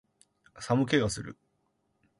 寒気がする